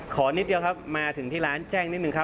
นิดเดียวครับมาถึงที่ร้านแจ้งนิดนึงครับ